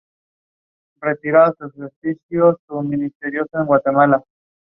The four men came back unaccompanied also.